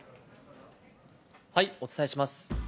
お伝えします。